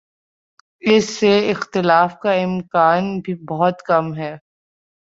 اس سے اختلاف کا امکان بہت کم ہے۔